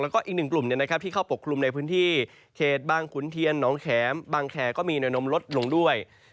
แล้วก็อีกหนึ่งกลุ่มที่เข้าปกคลุมในพื้นที่เขตบางขุนเทียนน้องแขมบางแคร์ก็มีแนวนมลดลงด้วย